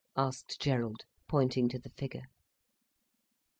asked Gerald, pointing to the figure.